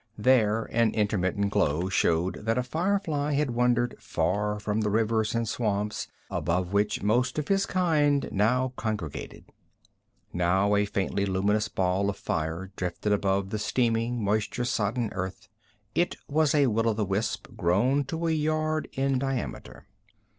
There an intermittent glow showed that a firefly had wandered far from the rivers and swamps above which most of his kind now congregated. Now a faintly luminous ball of fire drifted above the steaming, moisture sodden earth. It was a will o' the wisp, grown to a yard in diameter.